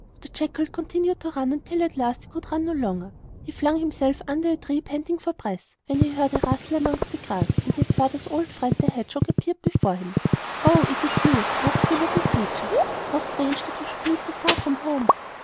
The jackal continued to run till at last he could run no longer. He flung himself under a tree panting for breath, when he heard a rustle amongst the grass, and his father's old friend the hedgehog appeared before him. 'Oh, is it you?' asked the little creature; 'how strange that we should meet so far from home!